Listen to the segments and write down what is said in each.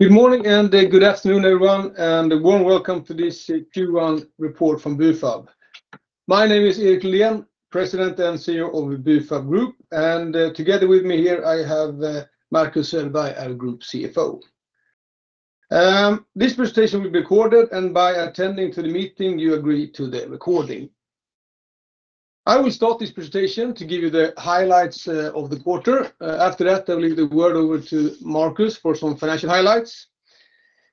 Good morning and good afternoon, everyone, and a warm welcome to this Q1 report from Bufab. My name is Erik Lundén, President and CEO of the Bufab Group, and together with me here I have Marcus Söderberg, our Group CFO. This presentation will be recorded and by attending the meeting, you agree to the recording. I will start this presentation to give you the highlights of the quarter. After that, I will leave the word over to Marcus for some financial highlights.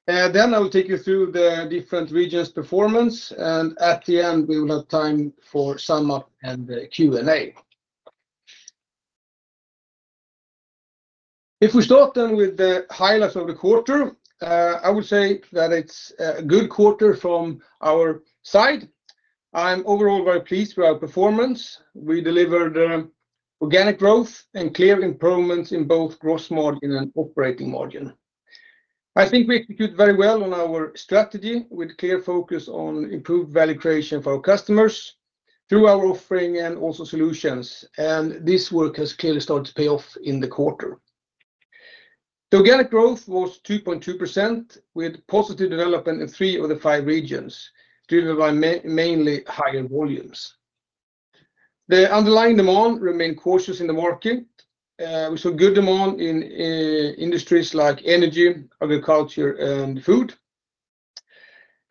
Then I will take you through the different regions' performance, and at the end, we will have time for sum up and Q&A. If we start then with the highlights of the quarter, I would say that it's a good quarter from our side. I'm overall very pleased with our performance. We delivered organic growth and clear improvements in both gross margin and operating margin. I think we executed very well on our strategy with clear focus on improved value creation for our customers through our offering and also solutions, and this work has clearly started to pay off in the quarter. The organic growth was 2.2% with positive development in three of the five regions, driven by mainly higher volumes. The underlying demand remained cautious in the market. We saw good demand in industries like energy, agriculture, and food,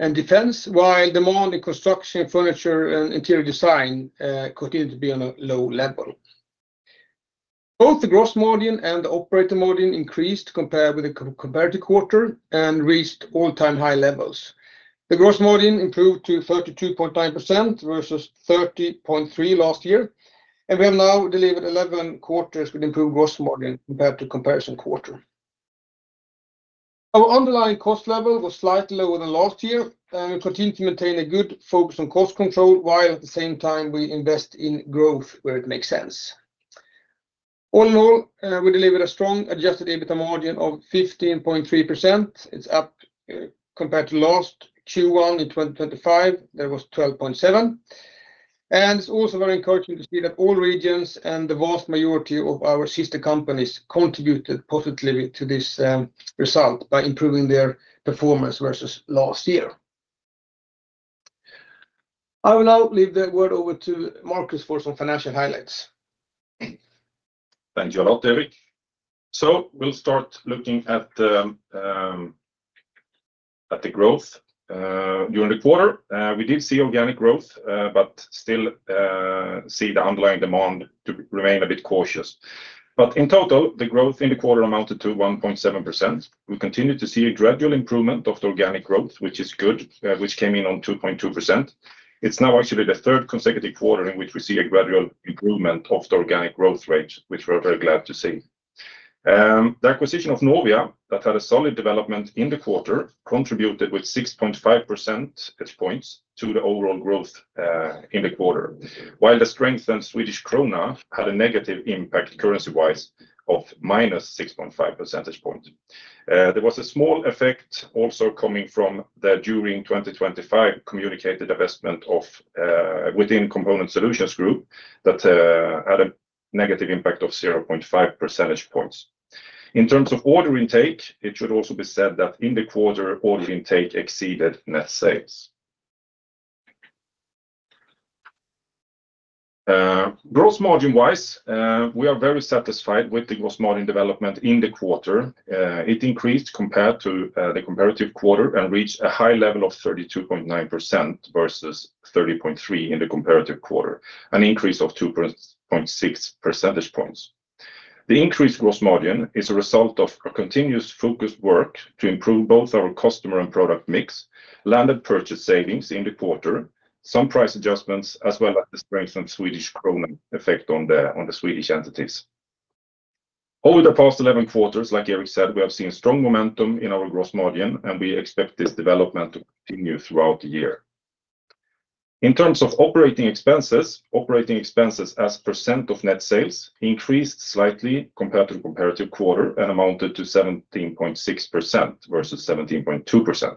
and defense, while demand in construction, furniture, and interior design continued to be on a low level. Both the gross margin and the operating margin increased compared to quarter and reached all-time high levels. The gross margin improved to 32.9% versus 30.3% last year, and we have now delivered 11 quarters with improved gross margin compared to comparison quarter. Our underlying cost level was slightly lower than last year. We continue to maintain a good focus on cost control, while at the same time we invest in growth where it makes sense. All in all, we delivered a strong Adjusted EBITDA margin of 15.3%. It's up compared to last Q1 in 2025. That was 12.7%. It's also very encouraging to see that all regions and the vast majority of our sister companies contributed positively to this result by improving their performance versus last year. I will now leave the word over to Marcus for some financial highlights. Thank you a lot, Erik. We'll start looking at the growth. During the quarter, we did see organic growth, but still see the underlying demand to remain a bit cautious. In total, the growth in the quarter amounted to 1.7%. We continue to see a gradual improvement of the organic growth, which is good, which came in on 2.2%. It's now actually the third consecutive quarter in which we see a gradual improvement of the organic growth rate, which we're very glad to see. The acquisition of novia, that had a solid development in the quarter, contributed with 6.5 percentage points to the overall growth in the quarter. While the strength in Swedish krona had a negative impact currency-wise of -6.5 percentage point. There was a small effect also coming from the, during 2025, communicated divestment within Component Solutions Group that had a negative impact of 0.5 percentage points. In terms of order intake, it should also be said that in the quarter, order intake exceeded net sales. Gross margin-wise, we are very satisfied with the gross margin development in the quarter. It increased compared to the comparative quarter and reached a high level of 32.9% versus 30.3% in the comparative quarter, an increase of 2.6 percentage points. The increased gross margin is a result of a continuous focused work to improve both our customer and product mix, landed purchase savings in the quarter, some price adjustments, as well as the strength in Swedish krona effect on the Swedish entities. Over the past 11 quarters, like Erik said, we have seen strong momentum in our gross margin, and we expect this development to continue throughout the year. In terms of operating expenses, operating expenses as percent of net sales increased slightly compared to the comparative quarter and amounted to 17.6% versus 17.2%.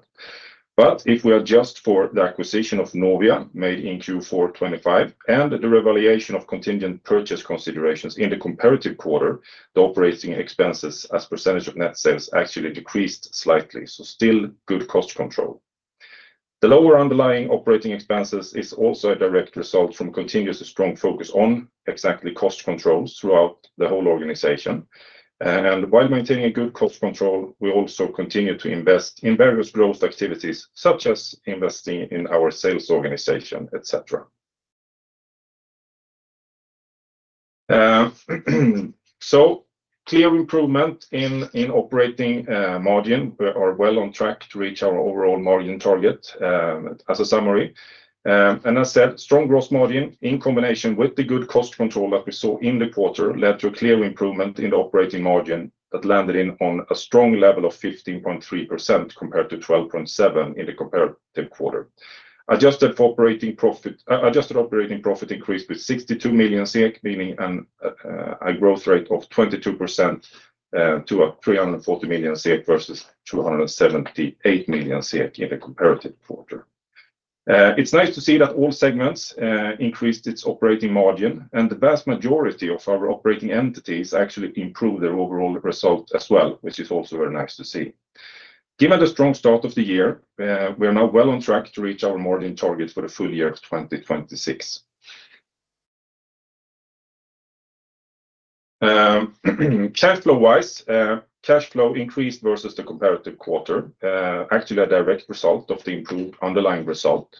If we adjust for the acquisition of novia made in Q4 2025 and the revaluation of contingent purchase considerations in the comparative quarter, the operating expenses as percentage of net sales actually decreased slightly. Still good cost control. The lower underlying operating expenses is also a direct result from continuous strong focus on exactly cost controls throughout the whole organization. While maintaining a good cost control, we also continue to invest in various growth activities, such as investing in our sales organization, et cetera. Clear improvement in operating margin. We are well on track to reach our overall margin target, as a summary. As said, strong gross margin in combination with the good cost control that we saw in the quarter led to a clear improvement in the operating margin that landed at a strong level of 15.3% compared to 12.7% in the comparative quarter. Adjusted operating profit increased with 62 million SEK, meaning a growth rate of 22% to a 340 million versus 278 million in the comparative quarter. It's nice to see that all segments increased their operating margin, and the vast majority of our operating entities actually improved their overall result as well, which is also very nice to see. Given the strong start of the year, we are now well on track to reach our margin target for the full year of 2026. Cash flow-wise, cash flow increased versus the comparative quarter, actually a direct result of the improved underlying result.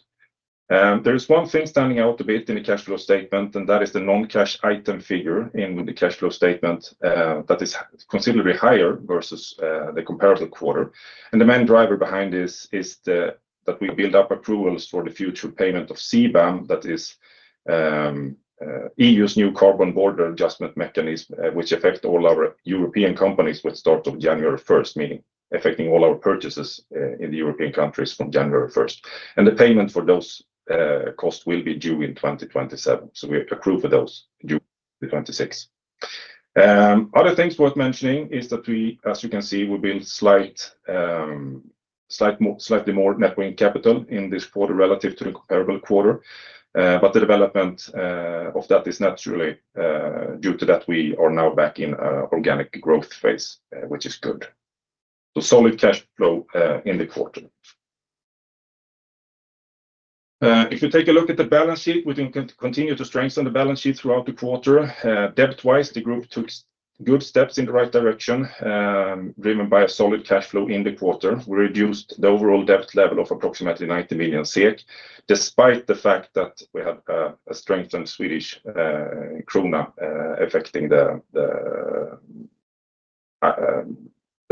There is one thing standing out a bit in the cash flow statement, and that is the non-cash item figure in the cash flow statement that is considerably higher versus the comparative quarter. The main driver behind this is that we build up approvals for the future payment of CBAM. That is, EU's new Carbon Border Adjustment Mechanism, which affect all our European companies with start of January 1st, meaning affecting all our purchases in the European countries from January 1st. The payment for those costs will be due in 2027. We approve for those due in 2026. Other things worth mentioning is that we, as you can see, we've been slightly more net working capital in this quarter relative to the comparable quarter. The development of that is naturally due to that we are now back in organic growth phase, which is good. Solid cash flow in the quarter. If you take a look at the balance sheet, we can continue to strengthen the balance sheet throughout the quarter. Debt-wise, the group took good steps in the right direction, driven by a solid cash flow in the quarter. We reduced the overall debt level of approximately 90 million SEK, despite the fact that we have a strengthened Swedish krona affecting the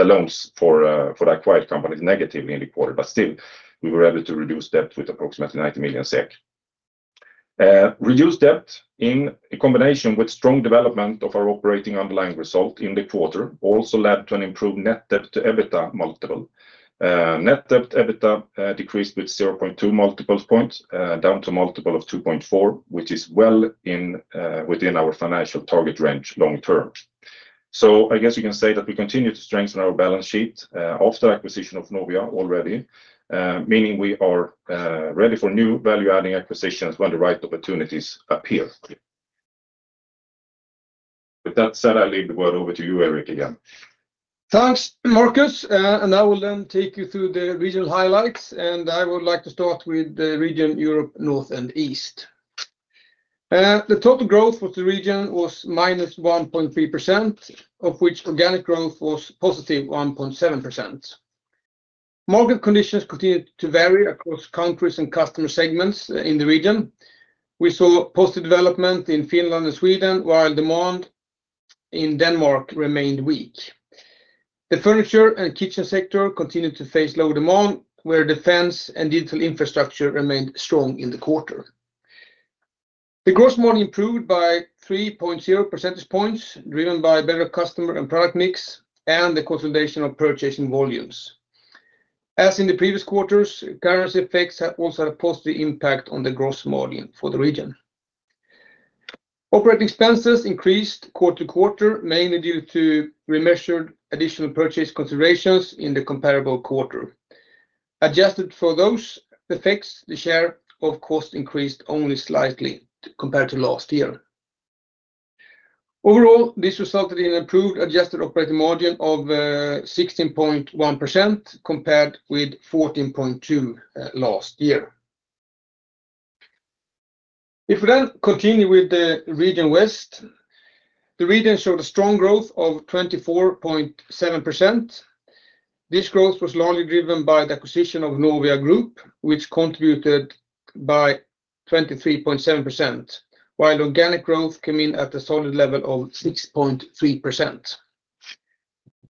loans for acquired companies negatively in the quarter. Still, we were able to reduce debt with approximately 90 million SEK. Reduced debt in combination with strong development of our operating underlying result in the quarter also led to an improved net debt to EBITDA multiple. Net debt to EBITDA decreased with 0.2 multiple points down to a multiple of 2.4, which is well within our financial target range long-term. I guess you can say that we continue to strengthen our balance sheet after acquisition of novia already, meaning we are ready for new value-adding acquisitions when the right opportunities appear. With that said, I leave the word over to you, Erik, again. Thanks, Marcus, and I will then take you through the regional highlights, and I would like to start with the region Europe North and East. The total growth for the region was -1.3%, of which organic growth was positive 1.7%. Market conditions continued to vary across countries and customer segments in the region. We saw positive development in Finland and Sweden while demand in Denmark remained weak. The furniture and kitchen sector continued to face low demand, where defense and digital infrastructure remained strong in the quarter. The gross margin improved by 3.0 percentage points, driven by better customer and product mix and the consolidation of purchasing volumes. As in the previous quarters, currency effects have also had a positive impact on the gross margin for the region. Operating expenses increased quarter-over-quarter, mainly due to remeasured additional purchase considerations in the comparable quarter. Adjusted for those effects, the share of cost increased only slightly compared to last year. Overall, this resulted in improved adjusted operating margin of 16.1%, compared with 14.2% last year. If we then continue with the region West, the region showed a strong growth of 24.7%. This growth was largely driven by the acquisition of novia Group, which contributed by 23.7%, while organic growth came in at a solid level of 6.3%.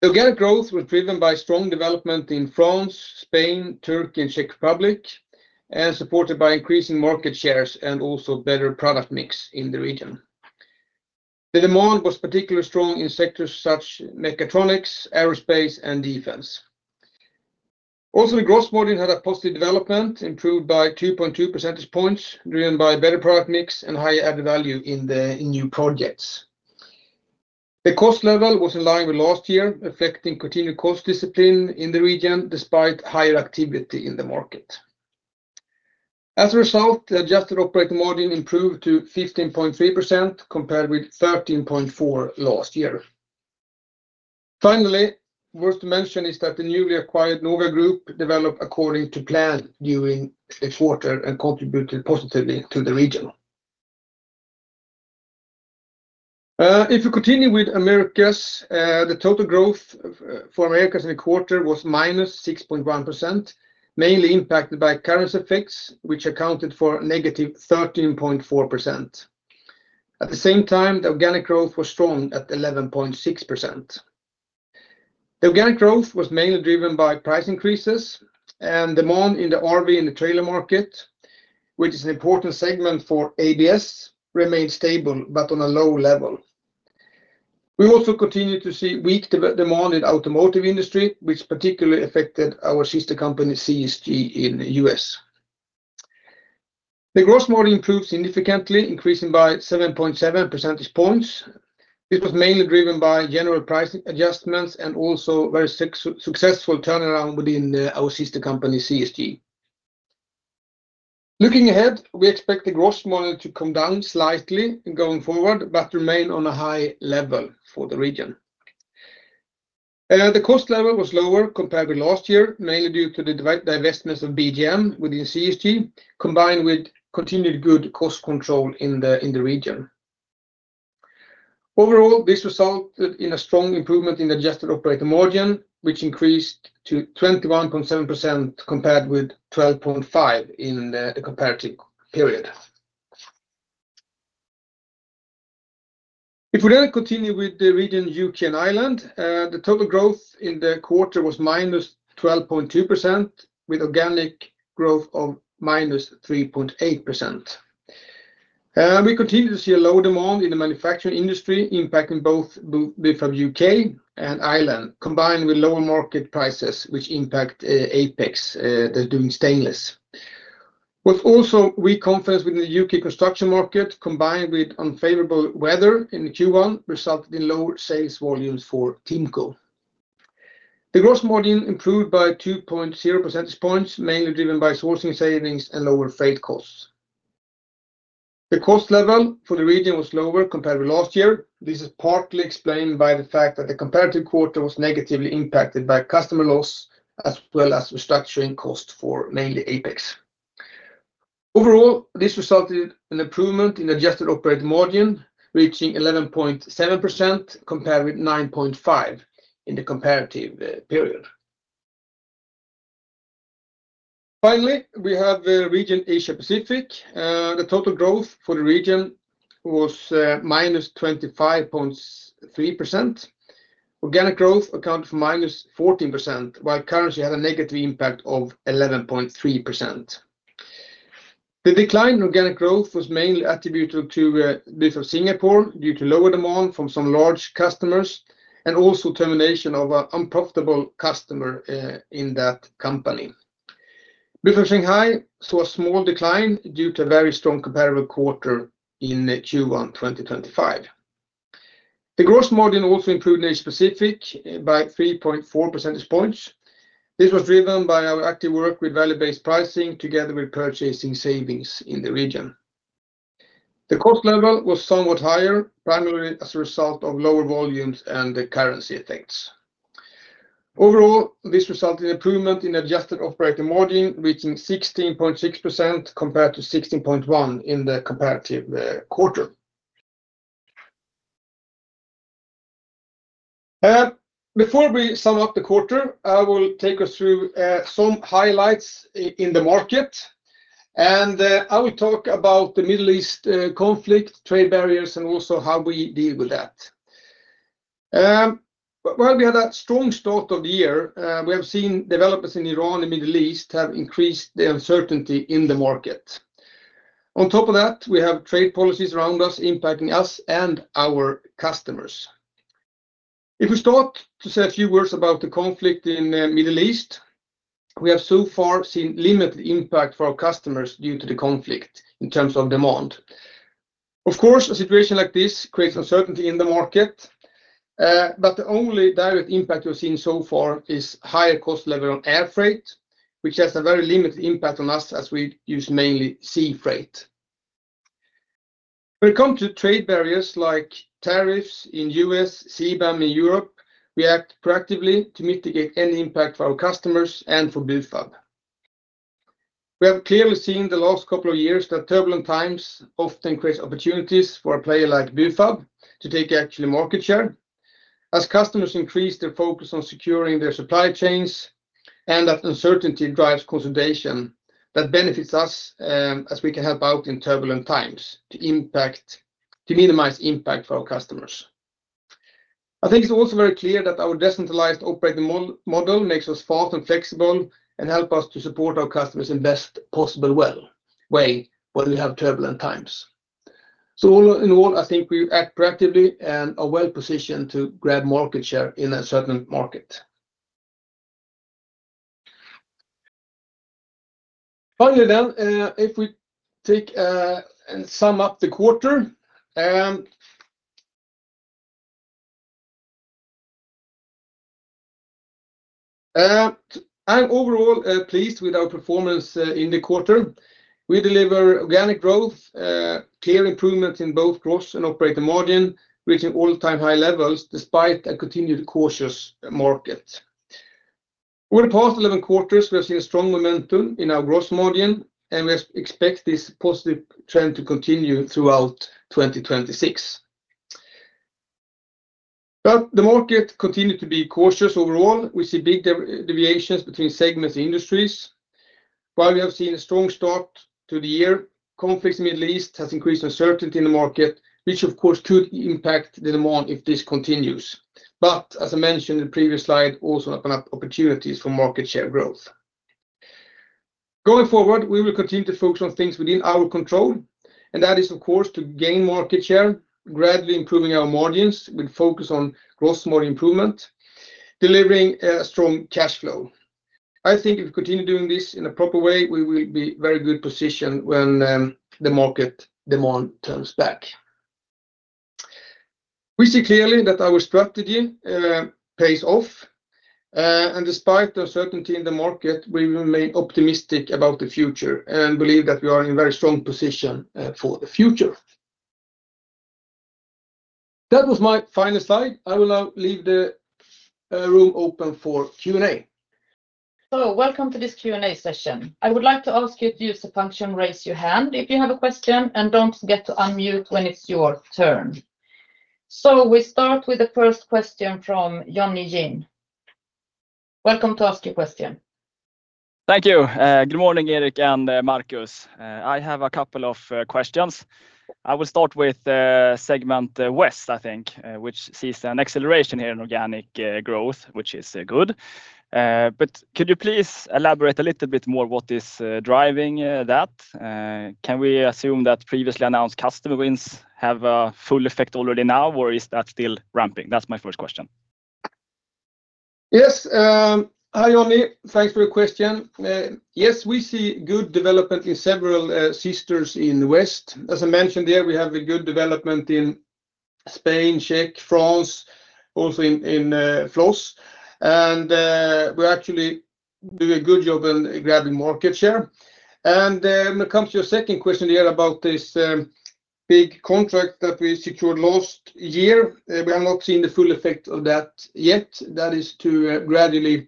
Organic growth was driven by strong development in France, Spain, Turkey, and Czech Republic, and supported by increasing market shares and also better product mix in the region. The demand was particularly strong in sectors such as mechatronics, aerospace, and defense. Also, the gross margin had a positive development, improved by 2.2 percentage points, driven by better product mix and higher added value in new projects. The cost level was in line with last year, affecting continued cost discipline in the region despite higher activity in the market. As a result, the adjusted operating margin improved to 15.3%, compared with 13.4% last year. Finally, worth to mention is that the newly acquired novia Group developed according to plan during this quarter and contributed positively to the region. If we continue with Americas, the total growth for Americas in the quarter was -6.1%, mainly impacted by currency effects, which accounted for -13.4%. At the same time, the organic growth was strong at 11.6%. The organic growth was mainly driven by price increases and demand in the RV and the trailer market, which is an important segment for ABS, remained stable, but on a low level. We also continue to see weak demand in automotive industry, which particularly affected our sister company, CSG, in the U.S. The gross margin improved significantly, increasing by 7.7 percentage points. This was mainly driven by general pricing adjustments and also a very successful turnaround within our sister company, CSG. Looking ahead, we expect the gross margin to come down slightly going forward, but remain on a high level for the region. The cost level was lower compared with last year, mainly due to the divestments of BGM within CSG, combined with continued good cost control in the region. Overall, this resulted in a strong improvement in adjusted operating margin, which increased to 21.7% compared with 12.5% in the comparative period. If we then continue with the region U.K. and Ireland, the total growth in the quarter was -12.2%, with organic growth of -3.8%. We continue to see low demand in the manufacturing industry, impacting both Bufab UK and Ireland, combined with lower market prices which impact Apex they're doing stainless. With also reduced confidence within the U.K. construction market, combined with unfavorable weather in Q1, resulted in lower sales volumes for TIMCO. The gross margin improved by 2.0 percentage points, mainly driven by sourcing savings and lower freight costs. The cost level for the region was lower compared with last year. This is partly explained by the fact that the comparative quarter was negatively impacted by customer loss as well as restructuring costs for mainly Apex. Overall, this resulted in improvement in adjusted operating margin, reaching 11.7% compared with 9.5% in the comparative period. Finally, we have the region Asia Pacific. The total growth for the region was -25.3%. Organic growth accounted for -14%, while currency had a negative impact of 11.3%. The decline in organic growth was mainly attributable to Bufab Singapore, due to lower demand from some large customers and also termination of an unprofitable customer in that company. Bufab Shanghai saw a small decline due to a very strong comparable quarter in Q1 2025. The gross margin also improved in Asia Pacific by 3.4 percentage points. This was driven by our active work with value-based pricing together with purchasing savings in the region. The cost level was somewhat higher, primarily as a result of lower volumes and the currency effects. Overall, this resulted in improvement in adjusted operating margin reaching 16.6% compared to 16.1% in the comparative quarter. Before we sum up the quarter, I will take us through some highlights in the market, and I will talk about the Middle East conflict, trade barriers, and also how we deal with that. While we had that strong start of the year, we have seen developments in Iran and Middle East have increased the uncertainty in the market. On top of that, we have trade policies around us impacting us and our customers. If we start to say a few words about the conflict in the Middle East, we have so far seen limited impact for our customers due to the conflict in terms of demand. Of course, a situation like this creates uncertainty in the market. The only direct impact we've seen so far is higher cost level on air freight, which has a very limited impact on us as we use mainly sea freight. When it comes to trade barriers like tariffs in U.S., CBAM in Europe, we act proactively to mitigate any impact for our customers and for Bufab. We have clearly seen the last couple of years that turbulent times often create opportunities for a player like Bufab to take actual market share, as customers increase their focus on securing their supply chains, and that uncertainty drives consolidation, that benefits us, as we can help out in turbulent times to minimize impact for our customers. I think it's also very clear that our decentralized operating model makes us fast and flexible and help us to support our customers in best possible way when we have turbulent times. All in all, I think we act proactively and are well-positioned to grab market share in a certain market. If we take and sum up the quarter, I'm overall pleased with our performance in the quarter. We deliver organic growth, clear improvement in both gross and operating margin, reaching all-time high levels despite a continued cautious market. Over the past 11 quarters, we have seen a strong momentum in our gross margin, and we expect this positive trend to continue throughout 2026. The market continued to be cautious overall. We see big deviations between segments and industries. While we have seen a strong start to the year, conflicts in Middle East has increased uncertainty in the market, which of course could impact the demand if this continues. As I mentioned in the previous slide, also open up opportunities for market share growth. Going forward, we will continue to focus on things within our control, and that is of course to gain market share, gradually improving our margins with focus on gross margin improvement, delivering a strong cash flow. I think if we continue doing this in a proper way, we will be very good positioned when the market demand turns back. We see clearly that our strategy pays off. Despite the uncertainty in the market, we remain optimistic about the future and believe that we are in a very strong position for the future. That was my final slide. I will now leave the room open for Q&A. Hello, welcome to this Q&A session. I would like to ask you to use the function Raise Your Hand if you have a question, and don't forget to unmute when it's your turn. We start with the first question from Jonny Jin. Welcome to ask your question. Thank you. Good morning, Erik and Marcus. I have a couple of questions. I will start with the segment West, I think, which sees an acceleration here in organic growth, which is good. Could you please elaborate a little bit more what is driving that? Can we assume that previously announced customer wins have a full effect already now, or is that still ramping? That's my first question. Yes. Hi, Jonny. Thanks for your question. Yes, we see good development in several sectors in the West. As I mentioned there, we have a good development in Spain, Czech, France, also in Flowz, and we actually do a good job in grabbing market share. When it comes to your second question there about this big contract that we secured last year, we have not seen the full effect of that yet. That is gradually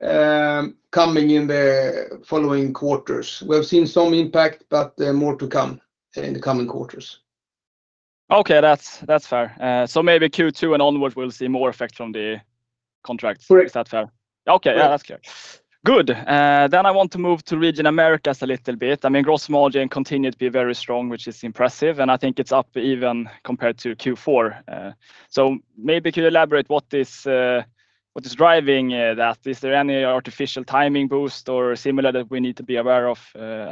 coming in the following quarters. We have seen some impact, but more to come in the coming quarters. Okay, that's fair. Maybe Q2 and onwards, we'll see more effect from the contract. Correct. Is that fair? Okay. Yeah. That's clear. Good. I want to move to region Americas a little bit. Gross margin continued to be very strong, which is impressive, and I think it's up even compared to Q4. Maybe could you elaborate what is driving that? Is there any artificial timing boost or similar that we need to be aware of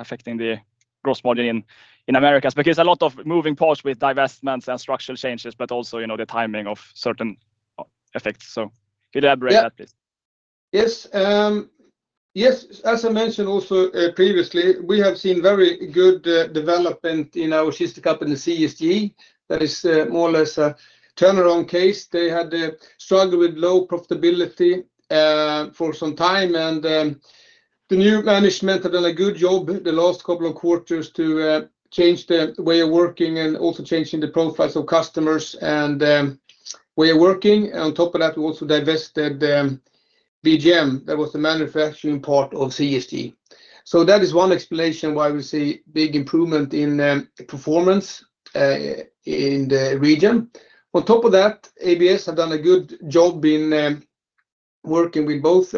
affecting the gross margin in Americas? Because a lot of moving parts with divestments and structural changes, but also, the timing of certain effects. Could you elaborate that, please? Yes. As I mentioned also previously, we have seen very good development in our sister company, CSG. That is more or less a turnaround case. They had struggled with low profitability for some time, and the new management have done a good job the last couple of quarters to change their way of working and also changing the profiles of customers and way of working. On top of that, we also divested BGM. That was the manufacturing part of CSG. That is one explanation why we see big improvement in performance in the region. On top of that, ABS have done a good job in working with both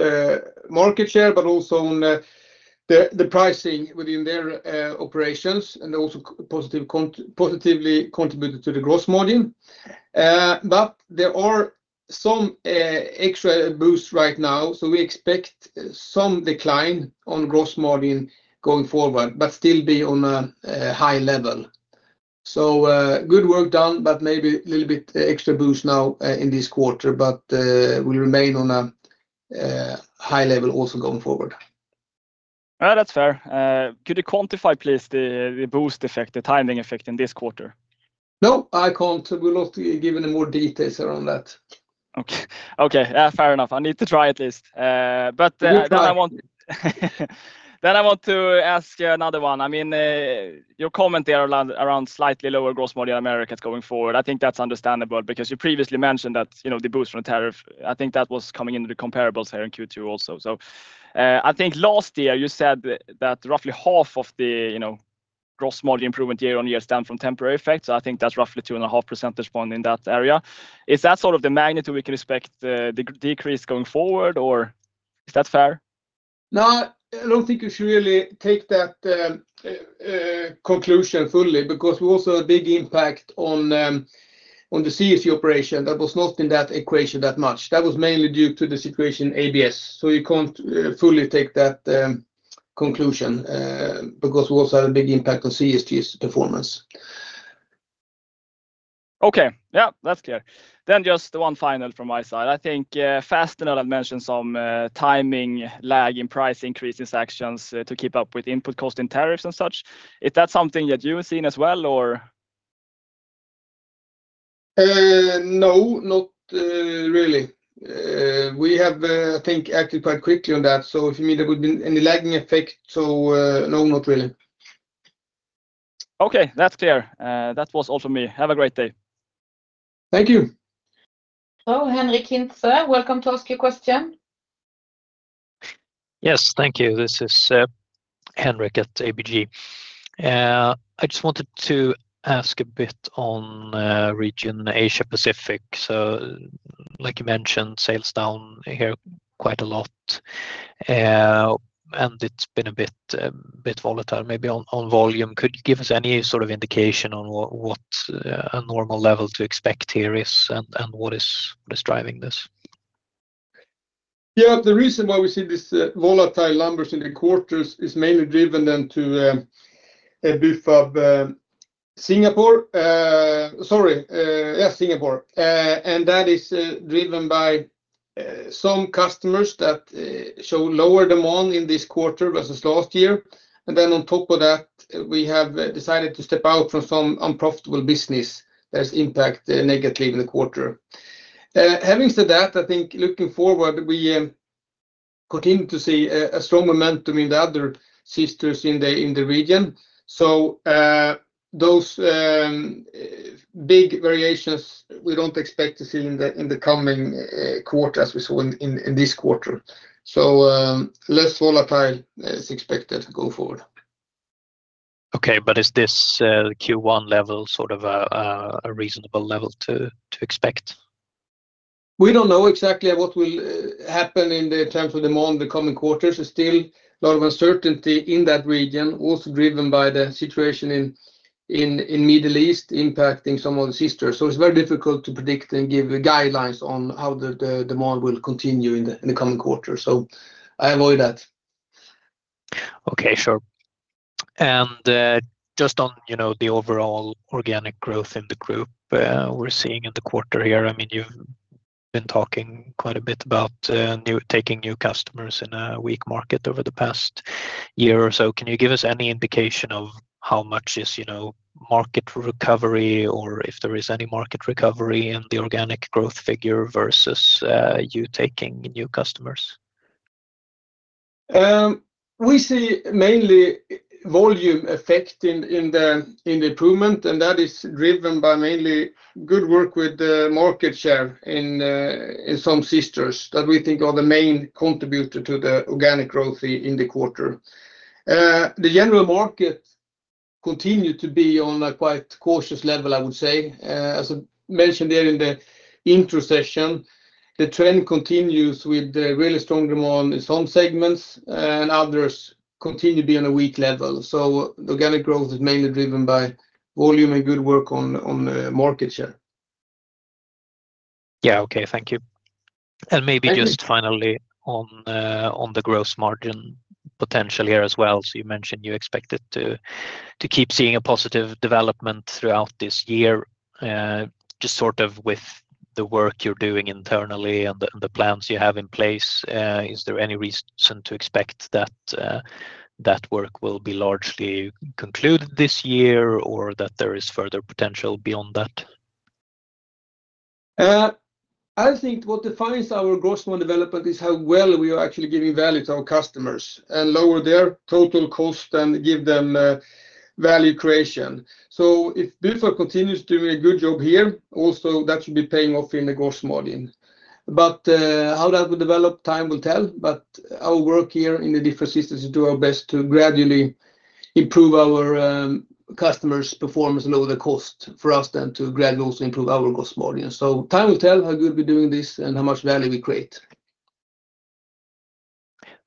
market share but also on the pricing within their operations and also positively contributed to the gross margin. There are some extra boost right now, so we expect some decline on gross margin going forward, but still be on a high level. Good work done, but maybe little bit extra boost now in this quarter, but will remain on a high level also going forward. That's fair. Could you quantify, please, the boost effect, the timing effect in this quarter? No, I can't. We will not give any more details around that. Okay. Fair enough. I need to try at least. Good try. I want to ask you another one. Your comment there around slightly lower gross margin in Americas going forward, I think that's understandable because you previously mentioned that, the boost from tariff, I think that was coming into the comparables here in Q2 also. I think last year, you said that roughly half of the gross margin improvement year-on-year stem from temporary effects. I think that's roughly 2.5 percentage points in that area. Is that sort of the magnitude we can expect the decrease going forward, or is that fair? No, I don't think you should really take that conclusion fully because we also have a big impact on the CSG operation that was not in that equation that much. That was mainly due to the situation in ABS, so you can't fully take that conclusion, because we also had a big impact on CSG's performance. Okay. Yeah, that's clear. Just one final from my side. I think Fastenal had mentioned some timing lag in pricing actions to keep up with input cost and tariffs and such. Is that something that you have seen as well, or? No, not really. We have, I think, acted quite quickly on that. If you mean there would be any lagging effect, no, not really. Okay. That's clear. That was all from me. Have a great day. Thank you. Henric Hintze, welcome to ask your question. Yes. Thank you. This is Henric at ABG. I just wanted to ask a bit on region Asia Pacific. Like you mentioned, sales down here quite a lot. It's been a bit volatile maybe on volume. Could you give us any sort of indication on what a normal level to expect here is and what is driving this? Yeah, the reason why we see these volatile numbers in the quarters is mainly driven due to a bit of Singapore. That is driven by some customers that show lower demand in this quarter versus last year. On top of that, we have decided to step out from some unprofitable business that has a negative impact in the quarter. Having said that, I think looking forward, we continue to see a strong momentum in the other sisters in the region. Those big variations we don't expect to see in the coming quarters we saw in this quarter. Less volatile is expected going forward. Okay. Is this Q1 level sort of a reasonable level to expect? We don't know exactly what will happen in terms of demand in the coming quarters. There's still a lot of uncertainty in that region, also driven by the situation in Middle East impacting some of the sectors. It's very difficult to predict and give guidelines on how the demand will continue in the coming quarters. I avoid that. Okay, sure. Just on the overall organic growth in the group we're seeing in the quarter here, you've been talking quite a bit about taking new customers in a weak market over the past year or so. Can you give us any indication of how much is market recovery or if there is any market recovery in the organic growth figure versus you taking new customers? We see mainly volume effect in the improvement, and that is driven by mainly good work with the market share in some sisters that we think are the main contributor to the organic growth in the quarter. The general market continued to be on a quite cautious level, I would say. As I mentioned there in the intro session, the trend continues with really strong demand in some segments, and others continue to be on a weak level. Organic growth is mainly driven by volume and good work on market share. Yeah, okay. Thank you. Thank you. Maybe just finally on the gross margin potential here as well. You mentioned you expected to keep seeing a positive development throughout this year. Just sort of with the work you're doing internally and the plans you have in place, is there any reason to expect that work will be largely concluded this year or that there is further potential beyond that? I think what defines our gross margin development is how well we are actually giving value to our customers and lower their total cost and give them value creation. If Bufab continues doing a good job here, also that should be paying off in the gross margin. How that will develop, time will tell. Our work here in the different sisters is do our best to gradually improve our customers' performance and lower the cost for us then to gradually also improve our gross margin. Time will tell how good we're doing this and how much value we create.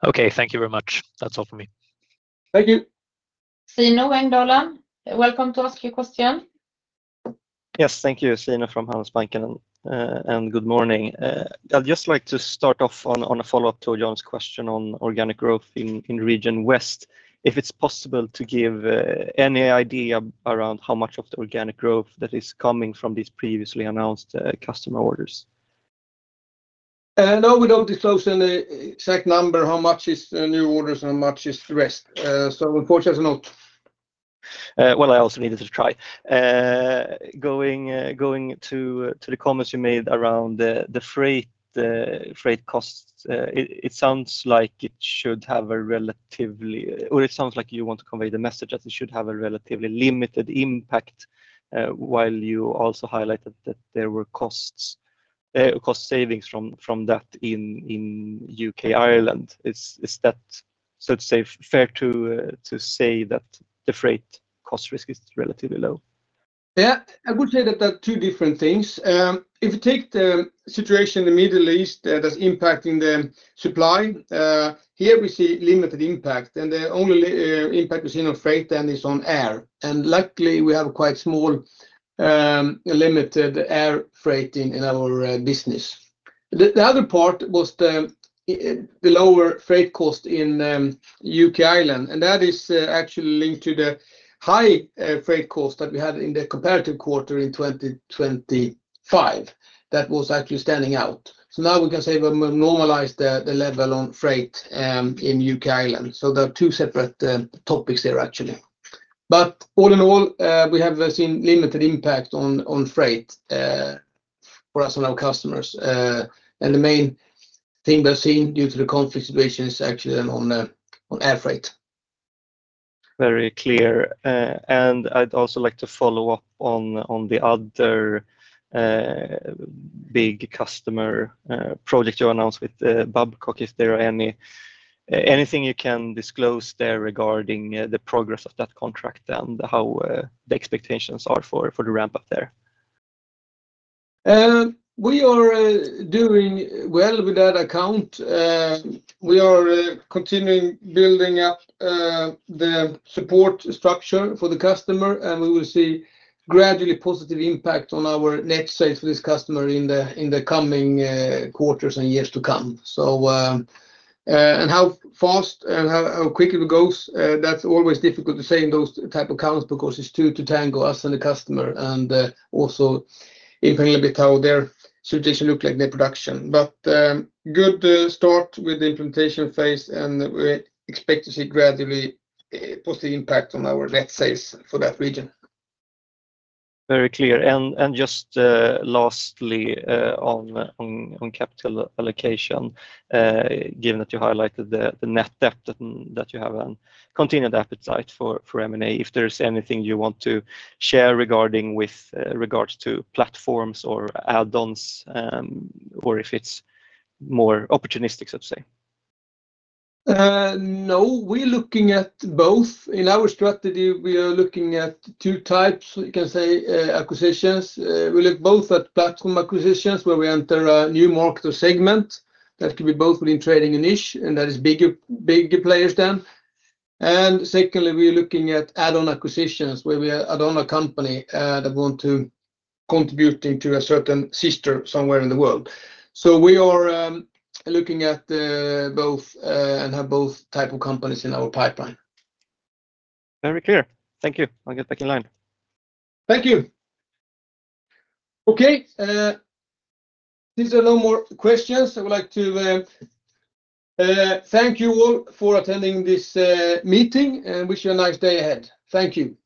Okay. Thank you very much. That's all from me. Thank you. Zino Engdalen. Welcome to ask your question. Yes. Thank you. Zino from Handelsbanken, and good morning. I'd just like to start off on a follow-up to Jonny's question on organic growth in Region West. If it's possible to give any idea around how much of the organic growth that is coming from these previously announced customer orders. No, we don't disclose any exact number, how much is new orders and how much is the rest. Unfortunately not. Well, I also needed to try. Going to the comments you made around the freight costs, it sounds like you want to convey the message that it should have a relatively limited impact, while you also highlighted that there were cost savings from that in U.K., Ireland. Is that, safe to say, fair to say that the freight cost risk is relatively low? Yeah. I would say that they're two different things. If you take the situation in the Middle East that's impacting the supply, here we see limited impact, and the only impact we're seeing on freight then is on air. Luckily, we have quite small, limited air freight in our business. The other part was the lower freight cost in U.K. Ireland, and that is actually linked to the high freight cost that we had in the comparative quarter in 2025 that was actually standing out. Now we can say we normalized the level on freight in U.K. Ireland. There are two separate topics there actually. All in all, we have seen limited impact on freight for us and our customers. The main thing we are seeing due to the conflict situation is actually on air freight. Very clear. I'd also like to follow up on the other big customer project you announced with Babcock. Is there anything you can disclose there regarding the progress of that contract and how the expectations are for the ramp up there? We are doing well with that account. We are continuing building up the support structure for the customer, and we will see gradually positive impact on our net sales for this customer in the coming quarters and years to come. How fast and how quickly it goes, that's always difficult to say in those type of accounts because it's two to tango, us and the customer, and also even a little bit how their situation look like in the production. Good start with the implementation phase, and we expect to see gradually a positive impact on our net sales for that region. Very clear. Just lastly, on capital allocation, given that you highlighted the net debt that you have and continued appetite for M&A, if there's anything you want to share regarding with regards to platforms or add-ons, or if it's more opportunistic? No. We're looking at both. In our strategy, we are looking at two types, you can say, acquisitions. We look both at platform acquisitions where we enter a new market or segment that can be both within trading and niche, and that is bigger players than. Secondly, we are looking at add-on acquisitions where we add on a company that want to contribute into a certain sector somewhere in the world. We are looking at both and have both type of companies in our pipeline. Very clear. Thank you. I'll get back in line. Thank you. Okay. Since there are no more questions, I would like to thank you all for attending this meeting and wish you a nice day ahead. Thank you.